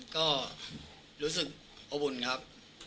ก็รู้สึกอบอุ่นครับ